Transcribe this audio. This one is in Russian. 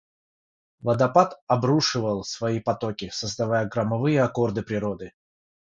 Водопад обрушивал свои потоки, создавая громовые аккорды природы.